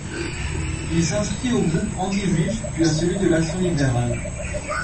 Il s'inscrit au groupe antijuif puis à celui de l'Action libérale.